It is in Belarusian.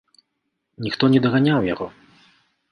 Ніхто не даганяў яго.